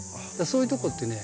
そういうとこってね